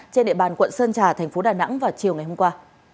trên địa bàn quận sơn trà thành phố đà nẵng vào chiều ngày hôm qua